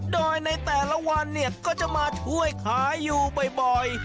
โดยในแต่ละวันเนี่ยก็จะมาช่วยขายอยู่บ่อย